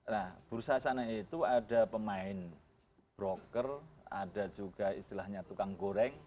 nah bursa sana itu ada pemain broker ada juga istilahnya tukang goreng